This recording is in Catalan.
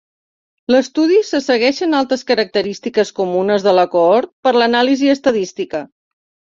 L'estudi se segueixen altres característiques comunes de la cohort per l'anàlisi estadística.